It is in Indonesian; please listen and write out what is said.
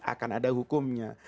akan ada hukumnya